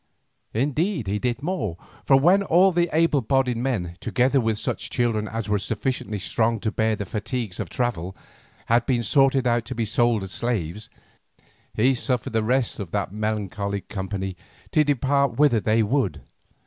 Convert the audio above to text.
Indeed he did more, for when all the able bodied men, together with such children as were sufficiently strong to bear the fatigues of travel, had been sorted out to be sold as slaves, he suffered the rest of that melancholy company to depart whither they would.